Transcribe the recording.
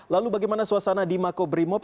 lalu bagaimana suasana di mako berimob